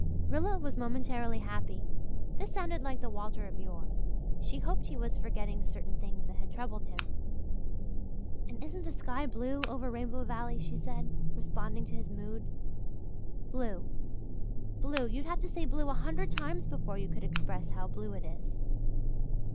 Rilla was momentarily happy. This sounded like the Walter of yore. She hoped he was forgetting certain things that had troubled him. "And isn't the sky blue over Rainbow Valley?" she said, responding to his mood. "Blue blue you'd have to say 'blue' a hundred times before you could express how blue it is."